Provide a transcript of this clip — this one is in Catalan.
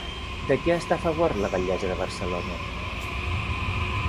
De què està a favor la batllessa de Barcelona?